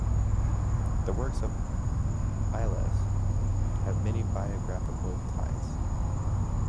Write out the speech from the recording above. The works of Islas have many biographical ties.